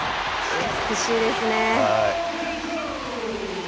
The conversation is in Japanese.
美しいですね。